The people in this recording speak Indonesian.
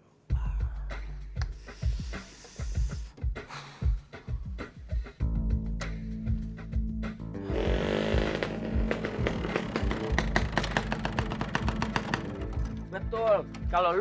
orang alexander atauu